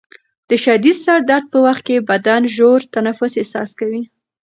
د شدید سر درد په وخت کې بدن د ژور تنفس احساس کوي.